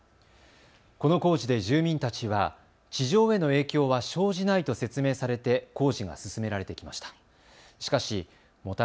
この工事で住民たちは地上への影響は生じないと説明されて工事が進められてきました。